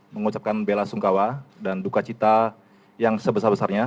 mengucapkan bela sungkawa dan dukacita yang sebesar besarnya